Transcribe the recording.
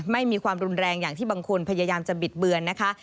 ไม่มีความรุนแรงอย่างที่บางคนพยายามจะบิดเบือนนะคะ